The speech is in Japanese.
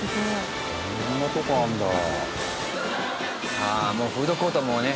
ああもうフードコートもね